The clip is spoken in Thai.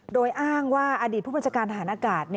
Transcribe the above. โดยอ้างว่าอดีตผู้บัญชาการฐานอากาศ